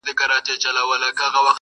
• یو چا سپی ښخ کړئ دئ په هدیره کي..